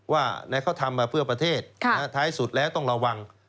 ว่าเขาทำมาเพื่อประเทศท้ายสุดแล้วต้องระวัง